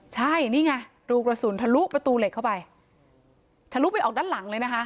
ใช่นี่ไงรูกระสุนทะลุประตูเหล็กเข้าไปทะลุไปออกด้านหลังเลยนะคะ